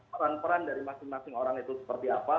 peran peran dari masing masing orang itu seperti apa